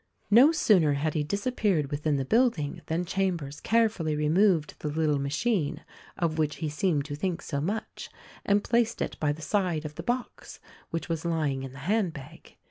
No sooner had he disappeared within the building than Chambers carefully removed the little machine — of which he seemed to think so much — and placed it by the side of the box which was lying in the hand bag.